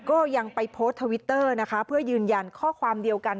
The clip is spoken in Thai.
ก็ยังไปโพสต์ทวิตเตอร์นะคะเพื่อยืนยันข้อความเดียวกัน